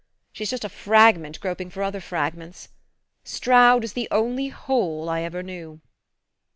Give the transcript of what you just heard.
She's just a fragment groping for other fragments. Stroud is the only whole I ever knew."